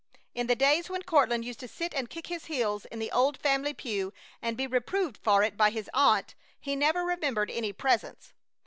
In the days when Courtland used to sit and kick his heels in the old family pew and be reproved for it by his aunt, he never remembered any Presence.